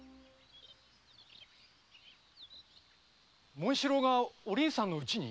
紋四郎がお凛さんの家に？